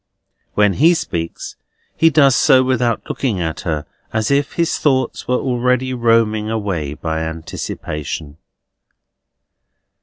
When he speaks, he does so without looking at her, and as if his thoughts were already roaming away by anticipation.